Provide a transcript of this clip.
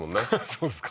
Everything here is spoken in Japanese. そうですか？